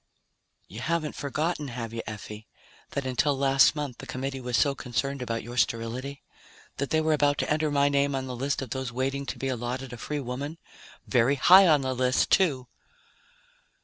"You haven't forgotten, have you, Effie, that until last month the Committee was so concerned about your sterility? That they were about to enter my name on the list of those waiting to be allotted a free woman? Very high on the list, too!"